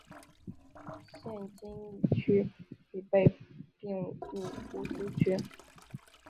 现金阊区已被并入姑苏区。